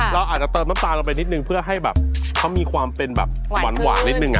เราอาจจะเติมน้ำตาลลงไปนิดนึงเพื่อให้แบบเขามีความเป็นแบบหวานนิดนึง